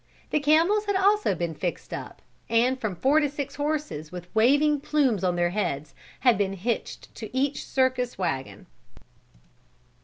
The camels had also been fixed up, and from four to six horses, with waving plumes on their heads, had been hitched to each circus wagon.